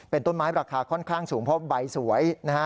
เป็นต้นไม้ราคาค่อนข้างสูงเพราะใบสวยนะฮะ